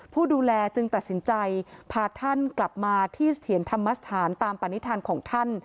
ผู้ดูแลจึงตัดสินใจพาท่านกลับมาที่เถียรธรรมสถานตามปณิธานของท่าน